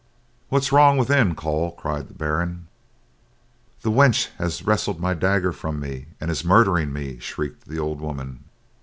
"What's wrong within, Coll," cried the Baron. "The wench has wrested my dagger from me and is murdering me," shrieked the old woman.